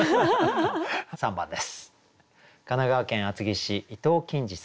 ３番です。